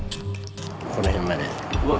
この辺まで。